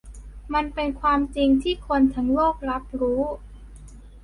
มันเป็นความจริงที่คนทั้งโลกรับรู้